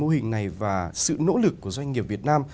mô hình này và sự nỗ lực của doanh nghiệp việt nam